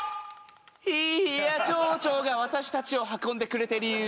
いや蝶々が私たちを運んでくれてる。